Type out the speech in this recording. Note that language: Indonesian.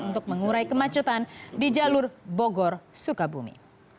untuk mengurai kemacetan di jalur bogor sukabumi